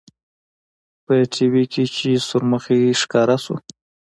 په ټي وي کښې چې سورمخى ښکاره سو.